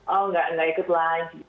oh enggak ikut lunch